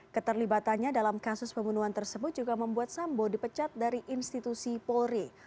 keterlibatannya dalam kasus pembunuhan tersebut juga membuat sambo dipecat dari institusi polri